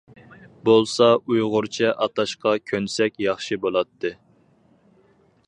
بولسا ئۇيغۇرچە ئاتاشقا كۆنسەك ياخشى بولاتتى.